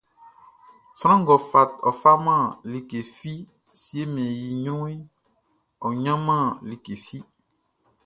Sran ngʼɔ faman like fi siemɛn i ɲrunʼn, ɔ ɲanman like fi.